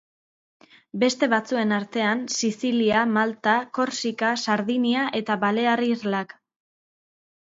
Beste batzuen artean Sizilia, Malta, Korsika, Sardinia eta Balear irlak.